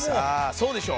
「そうでしょ」